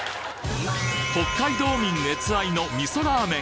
北海道民熱愛の味噌ラーメン